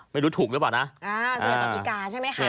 ไม่รู้ถูกหรือเปล่านะ